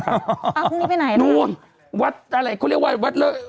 อ๋อพรุ่งนี้ไปไหนแล้วนู้นวัดอะไรเขาเรียกว่าวัดเล่น